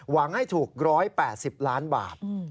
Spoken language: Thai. หวังให้ถูก๑๘๐ล้านบาท